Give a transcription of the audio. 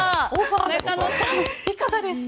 中野さん、いかがですか？